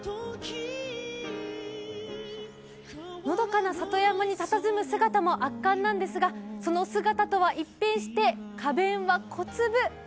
のどかな里山にたたずむ姿も圧巻なんですがその姿とは一変して花弁は小粒。